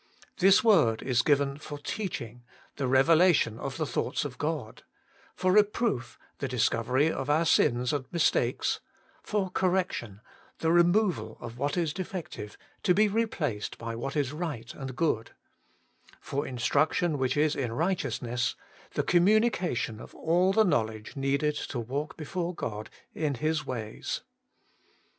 This word is given for teaching, the reve lation of the thoughts of God ; for reproof, the discovery of our sins and mistakes ; for correction, the removal of what is defective to be replaced by what is right and good; for instruction zvhich is in righteousness, the communication of all the knowledge needed to walk before God in His . ways.